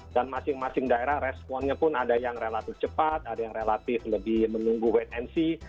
dan masing masing daerah responnya pun ada yang relatif cepat ada yang relatif lebih menunggu wetensi